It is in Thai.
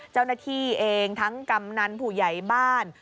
เจ้าหน้าที่เองทั้งกำนันผู้ใหญ่บ้าน